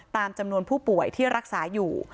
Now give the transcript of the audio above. ตามจำนวนผู้ป่วยที่รักษาอยู่